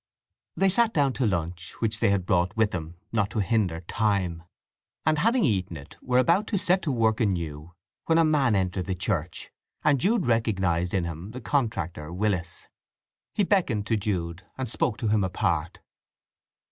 They sat down to lunch—which they had brought with them not to hinder time—and having eaten it, were about to set to work anew when a man entered the church, and Jude recognized in him the contractor Willis. He beckoned to Jude, and spoke to him apart.